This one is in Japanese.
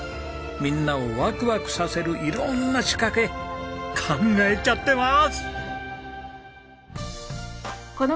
みんなをワクワクさせる色んな仕掛け考えちゃってます！